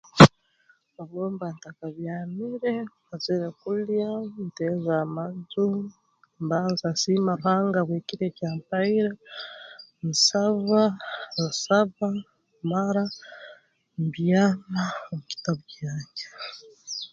Obu mba ntakabyamiire mazire kulya nteeza amaju mbanza nsiima Ruhanga habw'ekiro eky'ampaire nsaba nsaba mara mbyama mu kitabu kyange